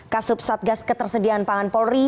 kasub satgas ketersediaan pangan polri